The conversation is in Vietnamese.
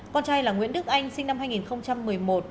con trai là nguyễn đức anh sinh năm hai nghìn một mươi một